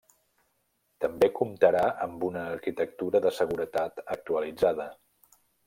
També comptarà amb una arquitectura de seguretat actualitzada.